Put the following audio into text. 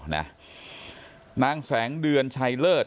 นางแสงเดือนชัยเลิศ